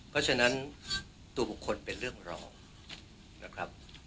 เพราะฉะนั้นตัวบุคคลเป็นเรื่องรองนะครับ